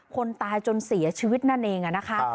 คนตายจนเสียชีวิตนั่นเองนะคะ